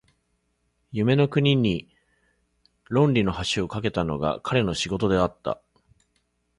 夢の国に論理の橋を架けたのが彼の仕事であった。